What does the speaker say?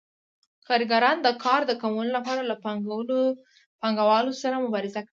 کارګران د کار د کمولو لپاره له پانګوالو سره مبارزه کوي